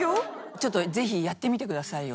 ちょっとぜひやってみてくださいよ。